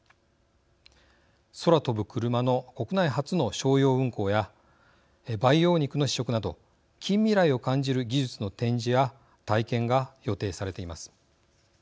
空飛ぶクルマの国内初の商用運行や培養肉の試食など近未来を感じる技術の展示や体験が予定されています。